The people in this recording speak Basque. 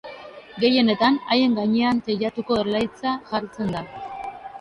Gehienetan, haien gainean teilatuko erlaitza jartzen da.